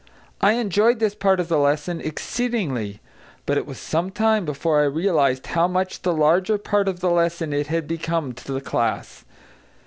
I enjoyed this part of the lesson exceedingly, but it was some time before I realised how much the larger part of the lesson it had become to the class.